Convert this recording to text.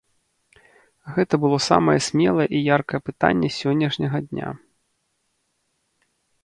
Гэта было самае смелае і яркае пытанне сённяшняга дня.